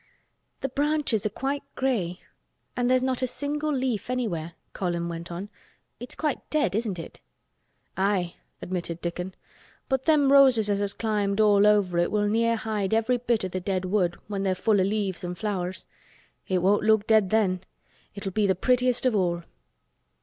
"The branches are quite gray and there's not a single leaf anywhere," Colin went on. "It's quite dead, isn't it?" "Aye," admitted Dickon. "But them roses as has climbed all over it will near hide every bit o' th' dead wood when they're full o' leaves an' flowers. It won't look dead then. It'll be th' prettiest of all."